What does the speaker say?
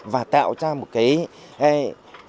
và tạo ra một cái